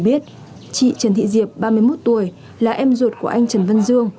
biết chị trần thị diệp ba mươi một tuổi là em ruột của anh trần văn dương